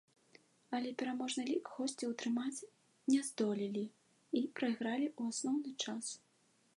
Але пераможны лік госці ўтрымаць не здолелі і прайгралі ў асноўны час.